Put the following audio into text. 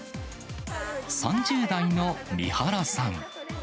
３０代の三原さん。